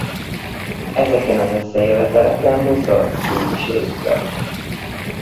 Ezeken az összejöveteleken Muszorgszkij is részt vett.